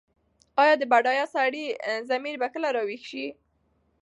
ایا د بډایه سړي ضمیر به کله راویښ شي؟